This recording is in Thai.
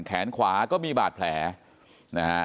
แขนขวาก็มีบาดแผลนะฮะ